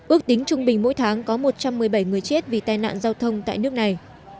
ước tính trung bình mỗi tháng có một trăm một mươi bảy người chết vì tai nạn giao thông tại nước này